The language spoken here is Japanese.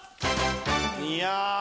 いや！